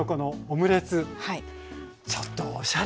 ちょっとおしゃれですね。